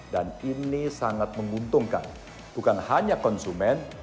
dan ini sangat menguntungkan bukan hanya konsumen